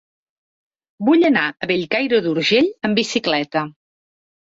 Vull anar a Bellcaire d'Urgell amb bicicleta.